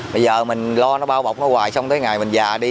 bây giờ mình lo nó bao bọc nó hoài xong tới ngày mình già đi